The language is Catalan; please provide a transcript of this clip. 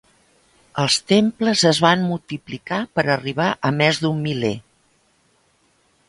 Els temples es van multiplicar, per arribar a més d'un miler.